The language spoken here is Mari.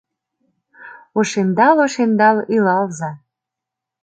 Ошемдал-ошемдал илалза.